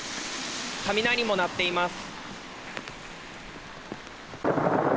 雷も鳴っています。